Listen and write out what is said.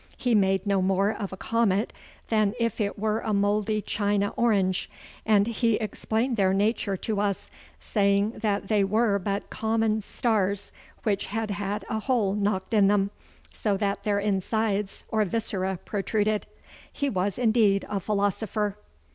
He made no more of a comet than if it were a mouldy china orange, and he explained their nature to us, saying that they were but common stars which had had a hole knocked in them, so that their insides or viscera protruded. He was indeed a philosopher!